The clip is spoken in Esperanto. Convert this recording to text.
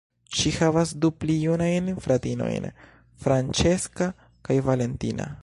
Ŝi havas du pli junajn fratinojn, Francesca kaj Valentina.